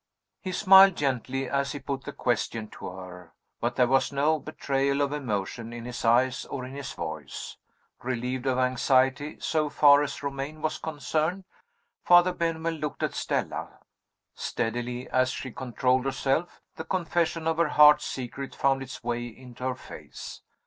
He smiled gently as he put the question to her, but there was no betrayal of emotion in his eyes or in his voice. Relieved of anxiety, so far as Romayne was concerned, Father Benwell looked at Stella. Steadily as she controlled herself, the confession of her heart's secret found its way into her face.